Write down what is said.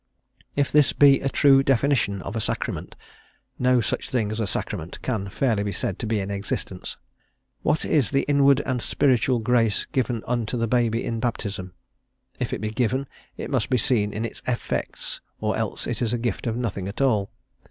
If this be a true definition of a sacrament, no such thing as a sacrament can fairly be said to be in existence. What is the inward and spiritual grace given unto the baby in baptism? If it be given, it must be seen in its effects, or else it is a gift of nothing at all.